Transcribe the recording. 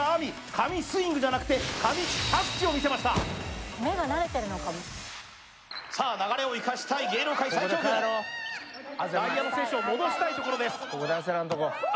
神スイングじゃなくて神キャッチを見せました目が慣れてるのかもさあ流れを生かしたい芸能界最強軍内野の選手を戻したいところです